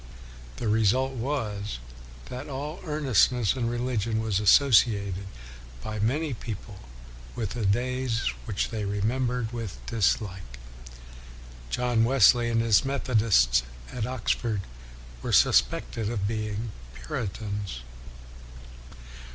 The result was that all earnestness in religion was associated by many people with the days which they remembered with dislike. John Wesley and his Methodists at Ox ford were suspected of being Puritans.